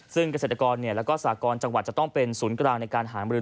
ซึ่งเกษตรกรและสากรจังหวัดจะต้องเป็นศูนย์กลางในการหามรือ